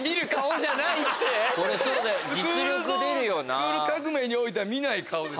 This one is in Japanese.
『スクール革命！』においては見ない顔です。